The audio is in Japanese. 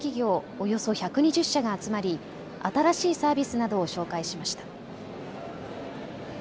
およそ１２０社が集まり新しいサービスなどを紹介しました。